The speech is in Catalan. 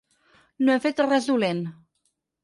No he fet res dolent.